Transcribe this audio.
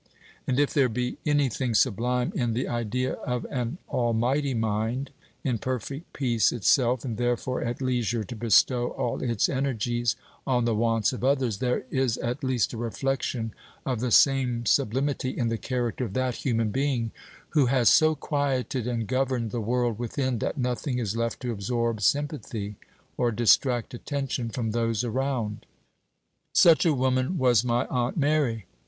And if there be any thing sublime in the idea of an almighty mind, in perfect peace itself, and, therefore, at leisure to bestow all its energies on the wants of others, there is at least a reflection of the same sublimity in the character of that human being who has so quieted and governed the world within, that nothing is left to absorb sympathy or distract attention from those around. Such a woman was my Aunt Mary.